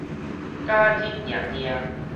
假日爾爾